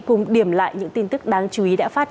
cùng điểm lại những tin tức đáng chú ý đã phát